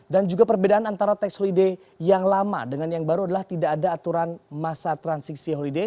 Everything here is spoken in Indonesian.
dan juga perbedaan antara tax holiday yang lama dengan yang baru adalah tidak ada aturan masa transisi holiday